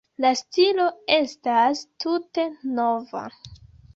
La stilo estas tute nova.